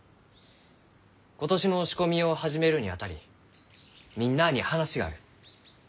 今年の仕込みを始めるにあたりみんなあに話がある。